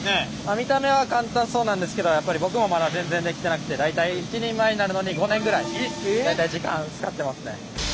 見た目は簡単そうなんですけどやっぱり僕もまだ全然できてなくて大体一人前になるのに５年ぐらい大体時間使ってますね。